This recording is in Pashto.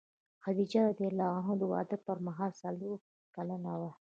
خدیجه رض د واده پر مهال څلوېښت کلنه وه.